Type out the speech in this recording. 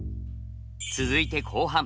続いて後半。